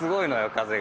風が。